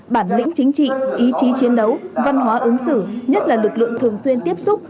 bản lĩnh chính trị ý chí chiến đấu văn hóa ứng xử nhất là lực lượng thường xuyên tiếp xúc